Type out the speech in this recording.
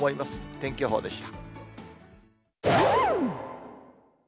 天気予報でした。